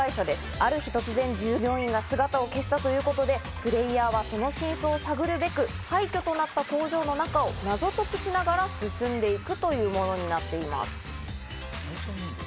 ある日、突然、従業員が姿を消したということで、プレーヤーはその真相を探るべく、廃虚となった工場の中を謎解きしながら進んでいくというものになっているんです。